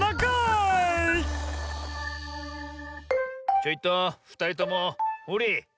ちょいとふたりともほれ。